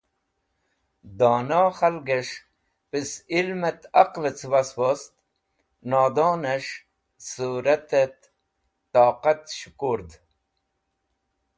Dono k̃halgẽs̃h pes ilmẽt aqlẽ cẽbas wost nodonẽs̃h sũratẽt toqat s̃hẽkurd.